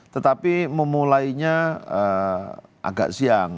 tetapi memulainya agak siang